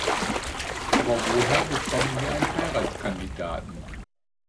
Aber woher bekommen sie einen Heiratskandidaten?